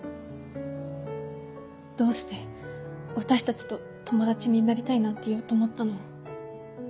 どうして私たちと友達になりたいなんて言おうと思ったの？